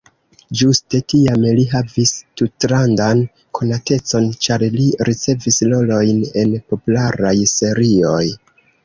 Ĝuste tiam li havis tutlandan konatecon, ĉar li ricevis rolojn en popularaj serioj.